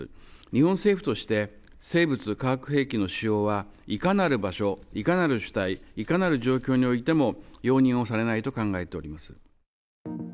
日本政府として、生物化学兵器の使用は、いかなる場所、いかなる主体、いかなる状況においても、容認をされないと考えております。